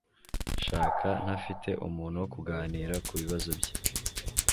Shaka ntafite umuntu wo kuganira kubibazo bye.